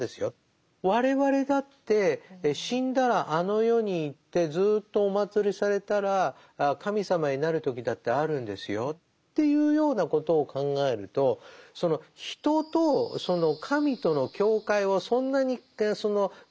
我々だって死んだらあの世に行ってずっとお祀りされたら神様になる時だってあるんですよっていうようなことを考えるとそのということを言ってるわけですよね。